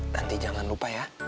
nanti jangan lupa ya